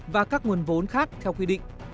và các nguồn vốn khác theo quy định